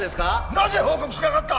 なぜ報告しなかった？